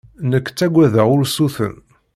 Nekk ttaggadeɣ ursuten.